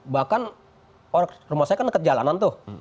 bahkan rumah saya kan dekat jalanan tuh